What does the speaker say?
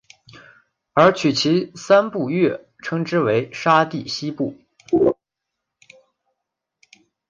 而取其跑三步跃称之为沙蒂希步。